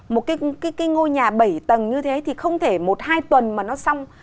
một cái ngôi nhà bảy tầng như thế thì không thể một hai tuần mà nó xong